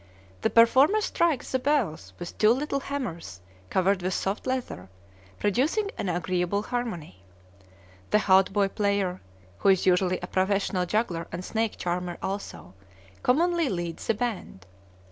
The performer strikes the bells with two little hammers covered with soft leather, producing an agreeable harmony. The hautboy player (who is usually a professional juggler and snake charmer also) commonly leads the band.